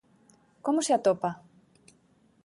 Como se atopa?